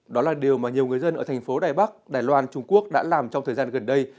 đó là điều mà nhiều người dân ở thành phố đài bắc đài loan trung quốc đã làm trong thời gian gần đây